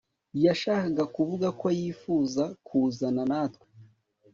yashakaga kuvuga ko yifuza kuzana natwe